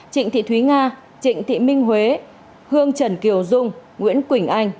trịnh thị thúy nga trịnh thị minh huế hương trần kiều dung nguyễn quỳnh anh